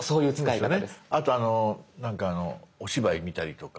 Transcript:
あとお芝居見たりとか。